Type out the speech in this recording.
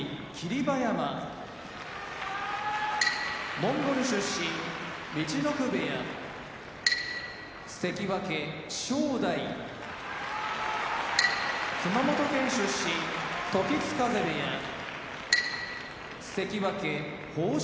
馬山モンゴル出身陸奥部屋関脇・正代熊本県出身時津風部屋関脇豊昇